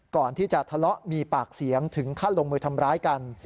ก่อนที่จะทะเลาะมีปากเสียงถึงขั้นลงมือทำร้ายกัน